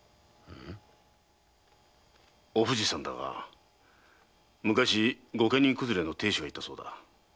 お藤さんだが昔御家人くずれの亭主がいたそうだ。